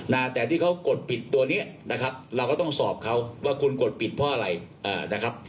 นะแต่ที่เขากดปิดตัวเนี้ยนะครับเราก็ต้องสอบเขาว่าคุณกดปิดเพราะอะไรเอ่อนะครับ